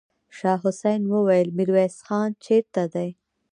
شاه حسين وويل: ميرويس خان چېرته دی؟